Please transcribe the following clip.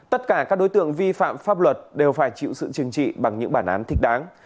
tất cả các đối tượng vi phạm pháp luật đều phải chịu sự chừng trị bằng những bản án thích đáng